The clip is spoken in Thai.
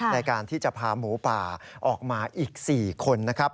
ในการที่จะพาหมูป่าออกมาอีก๔คนนะครับ